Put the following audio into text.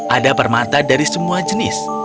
ada permata dari semua jenis